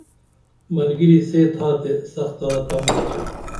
ملگِیری سے تھا تے سختہ کرم آڅو